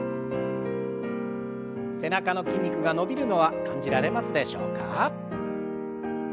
背中の筋肉が伸びるのは感じられますでしょうか。